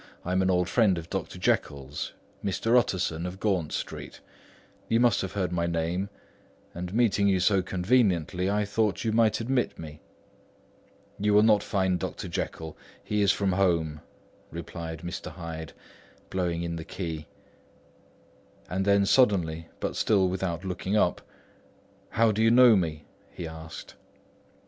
"I am an old friend of Dr. Jekyll's—Mr. Utterson of Gaunt Street—you must have heard of my name; and meeting you so conveniently, I thought you might admit me." "You will not find Dr. Jekyll; he is from home," replied Mr. Hyde, blowing in the key. And then suddenly, but still without looking up, "How did you know me?" he asked.